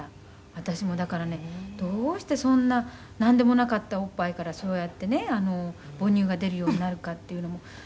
私もだからねどうしてそんななんでもなかったおっぱいからそうやってね母乳が出るようになるかっていうのも」